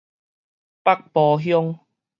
北埔鄉